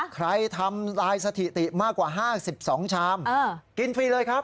ทำลายสถิติมากกว่า๕๒ชามกินฟรีเลยครับ